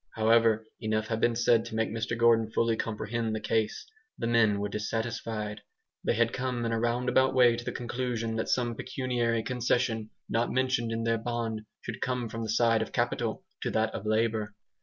However, enough had been said to make Mr Gordon fully comprehend the case. The men were dissatisfied. They had come in a roundabout way to the conclusion that some pecuniary concession, not mentioned in their bond, should come from the side of capital to that of labour.